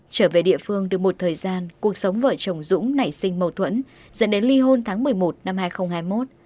trở về địa phương được một thời gian cuộc sống vợ chồng dũng nảy sinh mâu thuẫn dẫn đến ly hôn tháng một mươi một năm hai nghìn hai mươi một